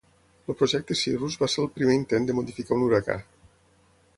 El projecte Cirrus va ser el primer intent de modificar un huracà.